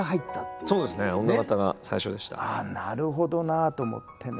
ああなるほどなと思ってね。